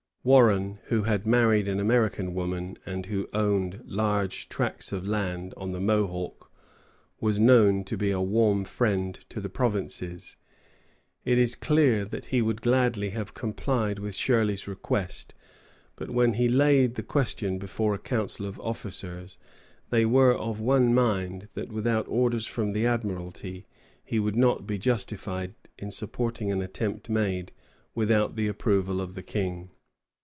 Warren, who had married an American woman and who owned large tracts of land on the Mohawk, was known to be a warm friend to the provinces. It is clear that he would gladly have complied with Shirley's request; but when he laid the question before a council of officers, they were of one mind that without orders from the Admiralty he would not be justified in supporting an attempt made without the approval of the King.